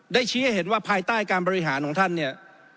ชี้ให้เห็นว่าภายใต้การบริหารของท่านเนี่ย